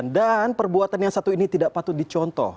dan perbuatan yang satu ini tidak patut dicontoh